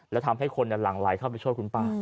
แล้วทำให้คนหลั่งไหลเข้าไปช่วยคุณป้า